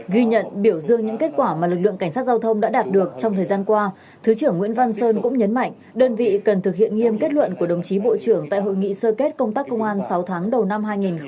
ghi nhận biểu dương những kết quả mà lực lượng cảnh sát giao thông đã đạt được trong thời gian qua thứ trưởng nguyễn văn sơn cũng nhấn mạnh đơn vị cần thực hiện nghiêm kết luận của đồng chí bộ trưởng tại hội nghị sơ kết công tác công an sáu tháng đầu năm hai nghìn hai mươi ba